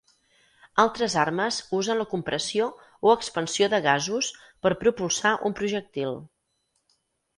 Altres armes usen la compressió o expansió de gasos per propulsar un projectil.